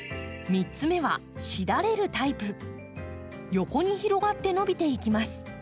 横に広がって伸びていきます。